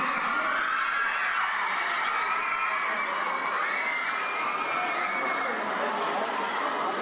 สวัสดีครับ